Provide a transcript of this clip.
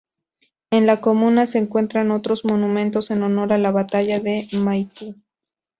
En la comuna, se encuentran otros monumentos en honor a la Batalla de Maipú.